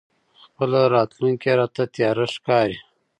خپله راتلونکې راته تياره ښکاري.